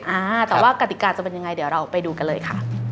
อ่าแต่ว่ากติกาจะเป็นยังไงเดี๋ยวเราไปดูกันเลยค่ะ